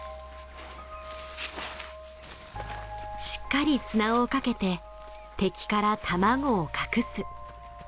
しっかり砂をかけて敵から卵を隠す。